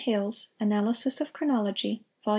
Hales, "Analysis of Chronology," Vol.